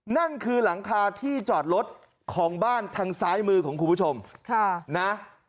นั่นคือหลังคาที่จอดรถของบ้านทางซ้ายมือของคุณผู้ชมนะ